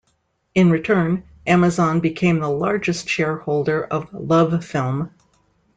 In return, Amazon became the largest shareholder of LoveFilm.